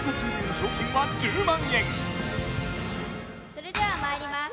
それではまいります